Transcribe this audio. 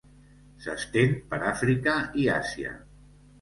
S'estén per Àfrica i Àsia.